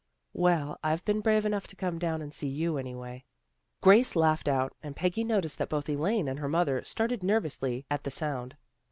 " Well, I've been brave enough to come down and see you, anyway." Grace laughed out, and Peggy noticed that both Elaine and her mother started nervously at the sound.